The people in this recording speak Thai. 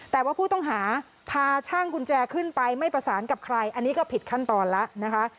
แต่ว่าผู้ต้องหาพาช่างกุญแจขึ้นไปไม่ประสานกับใครอันนี้ก็ผิดขั้นตอนแล้วนะคะ